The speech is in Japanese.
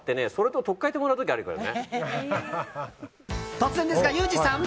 突然ですが、ユージさん。